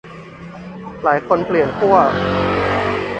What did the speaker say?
หลายคนเปลี่ยนขั้ว